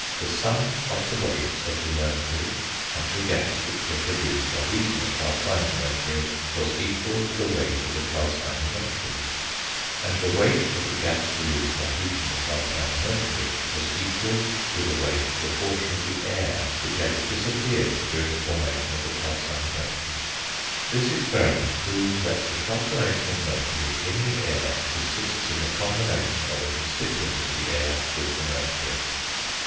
The sum of the weights of the mercury and the gas which were produced by heating the calcined mercury was equal to the weight of the calcined mercury; and the weight of the gas produced by heating the calcined mercury was equal to the weight of the portion of the air which had disappeared during the formation of the calcined mercury. This experiment proved that the calcination of mercury in the air consists in the combination of a constituent of the air with the mercury.